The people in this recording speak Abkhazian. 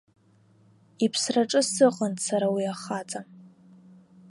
Иԥсраҿы сыҟан сара уи ахаҵа.